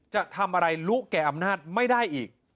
จะทำอะไรรู้แก่อำนาจไม่ได้อีก